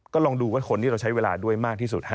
ก็ลองดูว่าคนที่เราใช้เวลาด้วยมากที่สุด